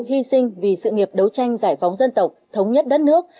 hy sinh vì sự nghiệp đấu tranh giải phóng dân tộc thống nhất đất nước